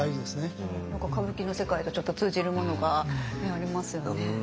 何か歌舞伎の世界とちょっと通じるものがありますよね。